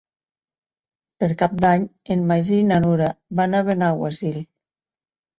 Per Cap d'Any en Magí i na Nura van a Benaguasil.